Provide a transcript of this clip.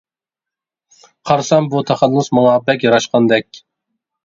قارىسام بۇ تەخەللۇس ماڭا بەك ياراشقاندەك.